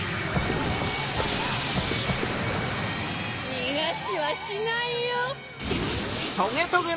にがしはしないよ！